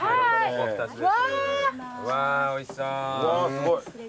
すごい。